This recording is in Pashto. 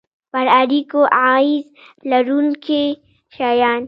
پر اړیکو اغیز لرونکي شیان